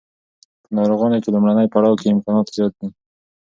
په ناروغانو کې لومړني پړاو کې امکانات زیات دي.